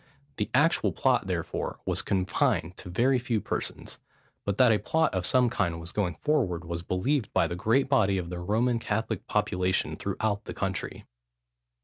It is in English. The actual plot, therefore, was confined to a very few persons; but that a plot of some kind was going forward was believed by the great body of the Roman Catholic population throughout the country.